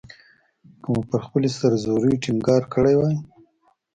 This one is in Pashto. که مو پر خپلې سر زورۍ ټینګار کړی وای.